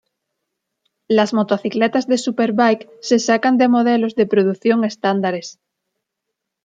Las motocicletas de superbike se sacan de modelos de producción estándares.